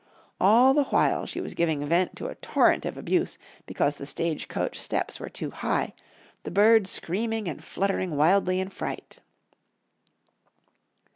All the while she was giving vent to a torrent of abuse because the stage coach steps were too high, the bird screaming and fluttering wildly in fright.